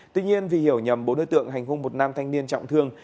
tuy nhiên vì hiểu nhầm bốn đối tượng hành hung một nam thanh niên trọng thương